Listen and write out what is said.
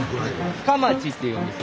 深町っていうんです。